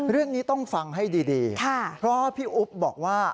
เรื่องนี้ต้องฟังให้ดีเพราะว่าพี่อุ๊บบอกว่า